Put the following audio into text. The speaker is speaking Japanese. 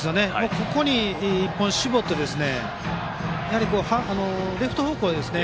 ここに絞ってレフト方向ですね